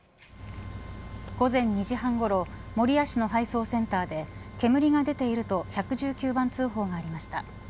午前２時半ごろ守谷市の配送センターで煙が出ていると１１９番通報がありました。